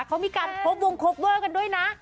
เขามีการครบวงโคเวอร์กันด้วยนะ